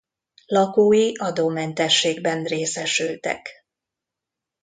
Lakói adómentességben részesültek.